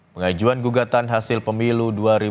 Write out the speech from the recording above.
pengajuan gugatan hasil pemilu dua ribu dua puluh empat